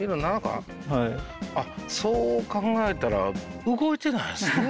そう考えたら動いてないですね。